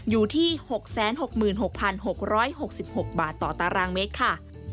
อยู่ที่๖๖๖๖๖บาทต่อตารางเมตรค่ะ